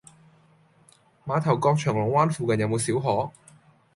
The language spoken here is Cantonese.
馬頭角翔龍灣附近有無小學？